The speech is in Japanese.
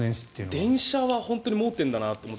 電車は本当に盲点だなと思って。